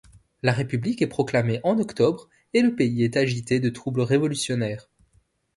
La république est proclamée en octobre et le pays est agité de troubles révolutionnaires.